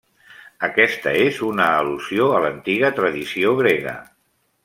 Aquesta és una al·lusió a l'antiga tradició grega.